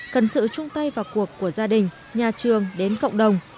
cần sự chung tay vào cuộc của gia đình nhà trường đến cộng đồng